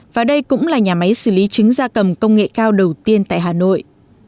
và đây cũng là nhà máy xử lý trứng da cầm công nghệ cao đầu tiên tại hà nội